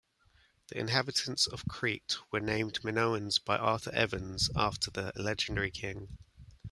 The inhabitants of Crete were named Minoans by Arthur Evans, after the legendary king.